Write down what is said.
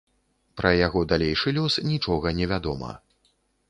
Пра яго далейшы лёс нічога невядома.